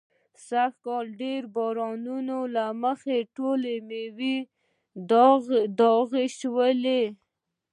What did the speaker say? سږ کال د ډېرو بارانو نو له مخې ټولې مېوې داغي شوي دي.